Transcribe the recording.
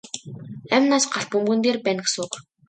Амь нас галт бөмбөгөн дээр байна гэсэн үг.